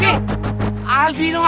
jangan kabur loh ya